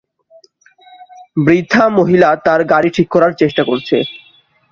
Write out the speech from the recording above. বৃদ্ধা মহিলা তার গাড়ি ঠিক করার চেষ্টা করছে